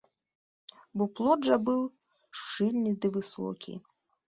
Бо плот жа быў шчыльны ды высокі.